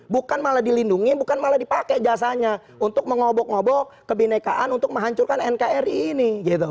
bukan malah dilindungi bukan malah dipakai jasanya untuk mengobok ngobok kebinekaan untuk menghancurkan nkri ini